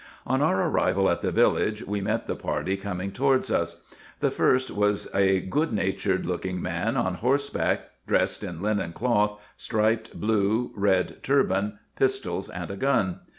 On our arrival at the village, we met the party coming towards us. The first was a good natured looking man on horseback, dressed in linen cloth, striped blue, red turban, pistols, and a gun.